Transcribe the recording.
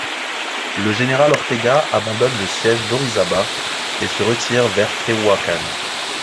Le général Ortega abandonne le siège d'Orizaba et se retire vers Tehuacan.